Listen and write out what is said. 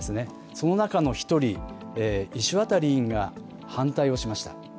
その中の一人、石渡委員が反対をしました。